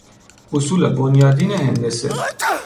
اصول بنیادین هندسه